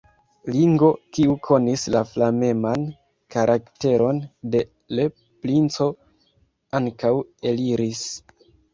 Ringo, kiu konis la flameman karakteron de l' princo, ankaŭ eliris.